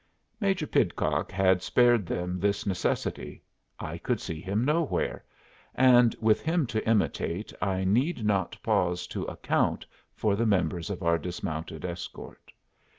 Major Pidcock had spared them this necessity; I could see him nowhere; and with him to imitate I need not pause to account for the members of our dismounted escort.